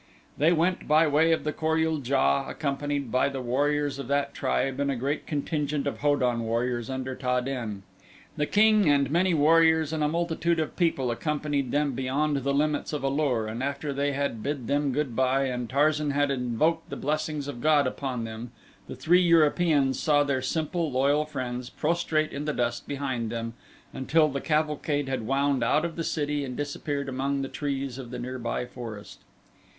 They went by way of the Kor ul JA accompanied by the warriors of that tribe and a great contingent of Ho don warriors under Ta den. The king and many warriors and a multitude of people accompanied them beyond the limits of A lur and after they had bid them good bye and Tarzan had invoked the blessings of God upon them the three Europeans saw their simple, loyal friends prostrate in the dust behind them until the cavalcade had wound out of the city and disappeared among the trees of the nearby forest.